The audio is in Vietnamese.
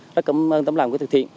rất cảm ơn tấm làm của thực thiện